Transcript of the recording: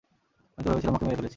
আমি তো ভেবেছিলাম ওকে মেরে ফেলেছি।